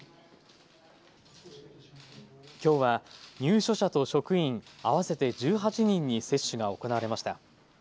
きょうは入所者と職員、合わせて１８人に接種が行われました。